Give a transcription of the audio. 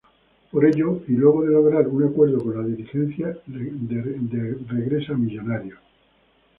Por ello y luego de lograr un acuerdo con la dirigencia regresa a Millonarios.